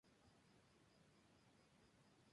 Los thule precedieron a los inuit.